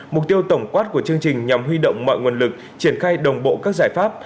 mục tiêu tổng quát của chương trình nhằm huy động mọi nguồn lực triển khai đồng bộ các giải pháp